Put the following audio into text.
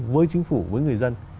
với chính phủ với người dân